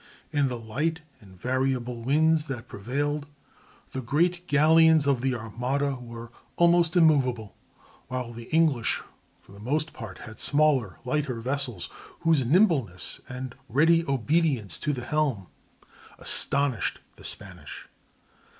In the light and variable winds that prevailed, the great galleons of the Armada were almost immovable, while the English for the most part had smaller, lighter vessels, whose nimbleness and ready obedience to the helm astonished the Spanish.